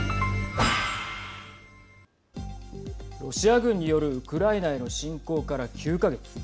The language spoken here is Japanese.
ロシア軍によるウクライナへの侵攻から９か月。